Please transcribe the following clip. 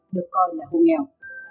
được coi là hồ nghèo